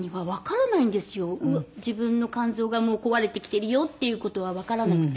自分の肝臓が壊れてきているよっていう事はわからなくて。